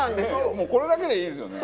もうこれだけでいいですよね。